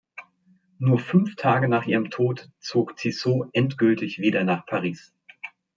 Nur fünf Tage nach ihrem Tod zog Tissot endgültig wieder nach Paris.